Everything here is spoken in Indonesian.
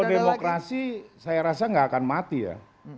kalau demokrasi saya rasa nggak akan mati ya